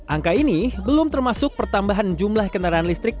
angka ini belum termasuk pertambahan jumlah kendaraan listrik